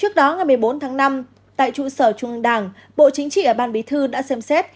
trước đó ngày một mươi bốn tháng năm tại trụ sở trung đảng bộ chính trị ở ban bí thư đã xem xét